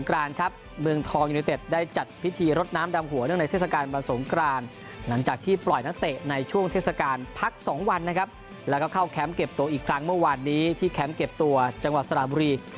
แล้วก็เข้าแคมป์เก็บตัวอีกครั้งเมื่อวานนี้ที่แคมป์เก็บตัวจังหวัดสระบุรี